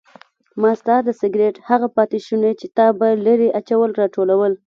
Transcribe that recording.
ما ستا د سګرټ هغه پاتې شوني چې تا به لرې اچول راټولول.